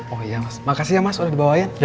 oh iya mas makasih ya mas udah dibawain